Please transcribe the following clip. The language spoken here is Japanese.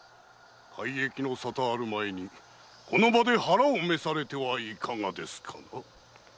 改易の沙汰ある前にこの場で腹を召されてはいかがですかな？